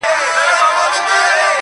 دومره ساده نه یم چي خپل قاتل مي وستایمه٫